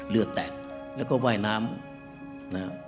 เรือแตกแล้วก็ว่ายน้ำนะ